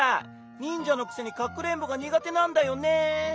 ニンジャのくせにかくれんぼがにがてなんだよね。